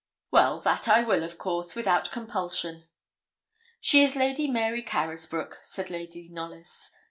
'Well, that I will, of course, without compulsion. She is Lady Mary Carysbroke,' said Lady Knollys.